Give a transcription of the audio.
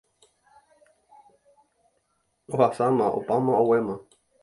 Ohasáma, opáma, oguéma.